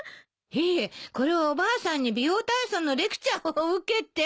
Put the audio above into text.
いえこれはおばあさんに美容体操のレクチャーを受けて。